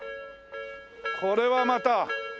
これはまた。